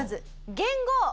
元号？